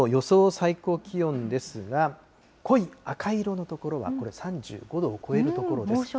最高気温ですが、濃い赤色の所は、これ、３５度を超猛暑日。